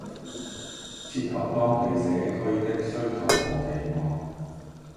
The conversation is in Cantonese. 切合當地社區的需求和期望